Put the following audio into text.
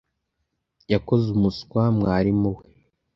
Yakoze umuswa mwarimu we.